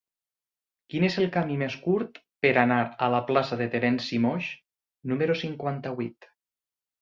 Quin és el camí més curt per anar a la plaça de Terenci Moix número cinquanta-vuit?